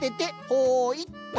ほいっと。